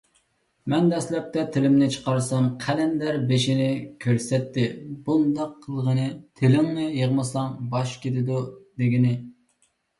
مەن دەسلەپتە تىلىمنى چىقارسام، قەلەندەر بېشىنى كۆرسەتتى. بۇنداق قىلغىنى «تىلىڭنى يىغمىساڭ، باش كېتىدۇ» دېگىنى.